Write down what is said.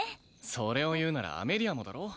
それを言うならアメリアもだろう